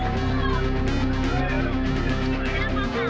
สเตอร์แรฟ